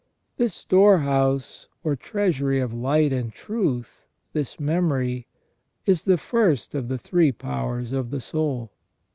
This store house or treasury of light and truth, this memory, is the first of the three powers of the soul.